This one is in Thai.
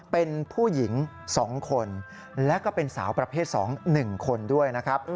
เป็นผู้หญิง๒คนและก็เป็นสาวประเภท๒๑คนด้วยนะครับ